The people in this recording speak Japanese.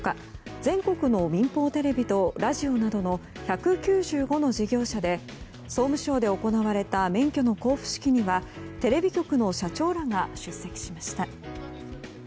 全国の民放テレビとラジオなどの１９５の事業者で総務省で行われた免許の交付式にはテレビ局の社長らが出席しました。